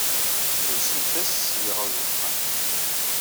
Tulsemt-as ssbiɣa i wexxam.